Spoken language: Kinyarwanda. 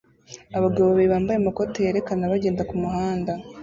Abagabo babiri bambaye amakoti yerekana bagenda kumuhanda